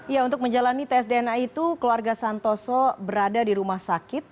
ya untuk menjalani tes dna itu keluarga santoso berada di rumah sakit